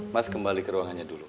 mas kembali ke ruangannya dulu